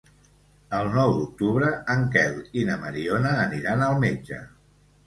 El nou d'octubre en Quel i na Mariona aniran al metge.